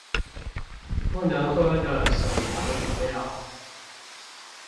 不能喝的手搖飲料